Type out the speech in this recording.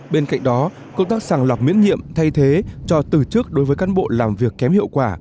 bên cạnh đó công tác sàng lọc miễn nhiệm thay thế cho từ trước đối với cán bộ làm việc kém hiệu quả